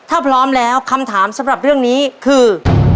ถ้าพร้อมแล้วคำถามสำหรับเรื่องนี้คือ